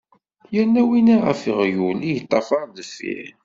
Yerna winna ɣef uɣyul i yeṭṭafar deffir.